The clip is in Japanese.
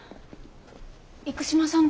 生島さん